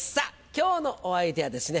今日のお相手はですね